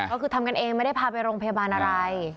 ก็คือทำกันเองไม่ได้พาไปโรงพยาบาลอะไร